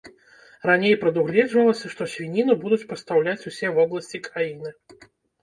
Раней прадугледжвалася, што свініну будуць пастаўляць усе вобласці краіны.